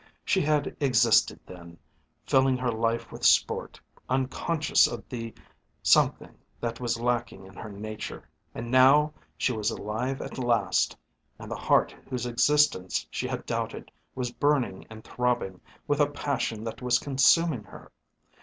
She had existed then, filling her life with sport, unconscious of the something that was lacking in her nature, and now she was alive at last, and the heart whose existence she had doubted was burning and throbbing with a passion that was consuming her.